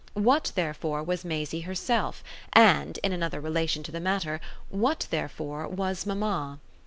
What therefore was Maisie herself, and, in another relation to the matter, what therefore was mamma?